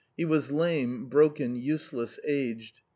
He was lame, broken, useless, aged.